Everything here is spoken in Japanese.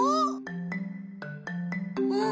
うん。